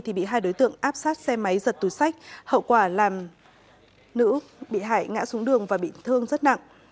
thì bị hai đối tượng áp sát xe máy giật túi sách hậu quả làm nữ bị hại ngã xuống đường và bị thương rất nặng